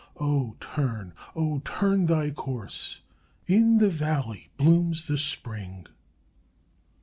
O turn, O turn thy course In the valley blooms the spring!"